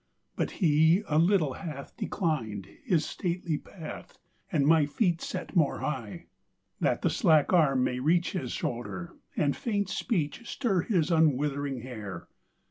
But He a little hath Declined His stately path And my Feet set more high; That the slack arm may reach His shoulder, and faint speech Stir His unwithering hair.